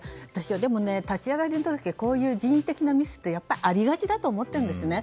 でも立ち上がりの時期にこういう人為的なミスってやっぱりありがちだと思います。